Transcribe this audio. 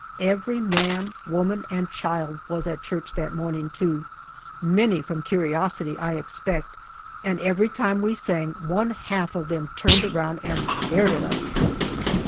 Every man, woman, and child was at church that morning, too many from curiosity, I expect and every time we sang one half of them turned around and stared at us.